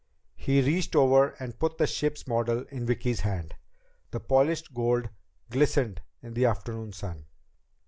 He reached over and put the ship's model in Vicki's hand. The polished gold glistened in the afternoon sun.